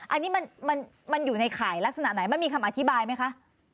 อันนี้มันอยู่ในข่ายลักษณะไหนมันมีคำอธิบายไหมคะ